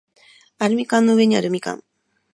アルミ缶の上にある蜜柑